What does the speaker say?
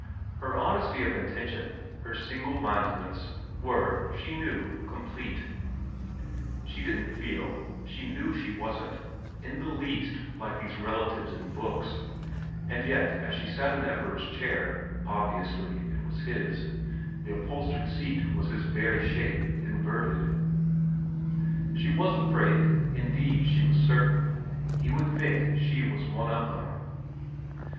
Her honesty of intention, her single mindedness, were, she knew, com plete. She didn't feel, she knew she wasn't, in the least like these relatives in books, and yet as she sat in Everard's chair obviously it was his ; the upholstered seat was his very shape, inverted she was afraid, indeed she was certain, he would think she was one of them.